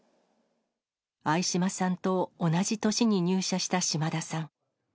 相嶋さんと同じ年に入社した島田さん。